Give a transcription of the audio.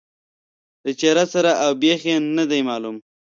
د تجارت سر او بېخ یې نه دي معلوم.